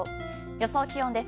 予想気温です。